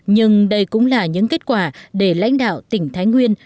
nhưng đây cũng là những kết quả để lãnh đạo tỉnh thái nguyên